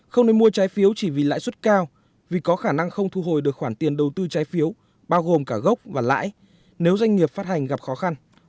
không nên mua trái phiếu chỉ vì lãi suất cao vì có khả năng không thu hồi được khoản tiền đầu tư trái phiếu bao gồm cả gốc và lãi nếu doanh nghiệp phát hành gặp khó khăn